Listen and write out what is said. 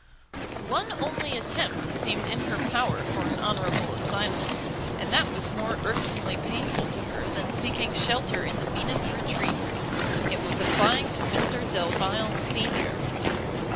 One only attempt seemed in her power for an honourable asylum, and that was more irksomely painful to her than seeking shelter in the meanest retreat: it was applying to Mr Delvile senior.